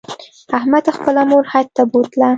احمد خپله مور حج ته بوتله